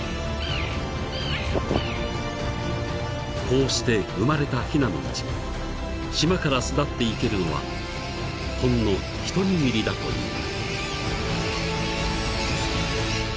［こうして生まれたひなのうち島から巣立っていけるのはほんの一握りだという］